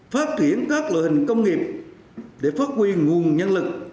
phát triển các loại hình công nghiệp để phát huy nguồn nhân lực